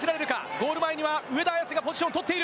ゴール前には上田綺世がポジションを取っている。